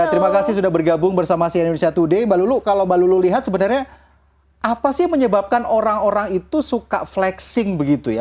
terima kasih sudah bergabung bersama si indonesia today mbak lulu kalau mbak lulu lihat sebenarnya apa sih yang menyebabkan orang orang itu suka flexing begitu ya